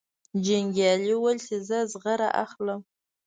جنګیالي وویل چې زه زغره اخلم.